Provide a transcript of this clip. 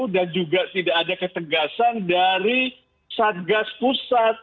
dan juga tidak ada ketegasan dari satgas pusat